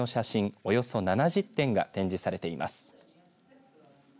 およそ７０点が展示されています。